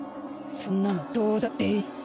そんなのどうだっていい。